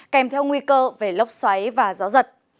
kèm theo nguy cơ về lốc xoáy và gió giật